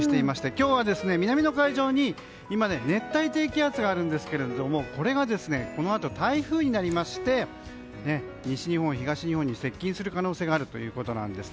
今日は南の海上に熱帯低気圧があるんですけどもこれがこのあと台風になりまして西日本、東日本に接近する可能性があるということです。